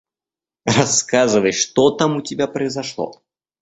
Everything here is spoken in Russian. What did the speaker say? Рассказывай, что там у тебя произошло.